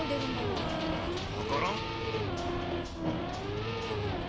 うんわからん。